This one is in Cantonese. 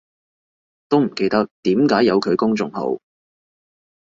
都唔記得點解有佢公眾號